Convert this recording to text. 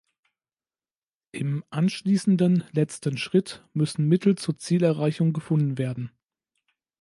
Im anschließenden letzten Schritt müssen Mittel zur Zielerreichung gefunden werden.